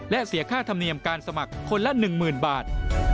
และเสียค่าธรรมเนียมการสมัครคนละ๑๐๐๐บาท